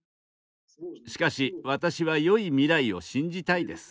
しかし私はよい未来を信じたいです。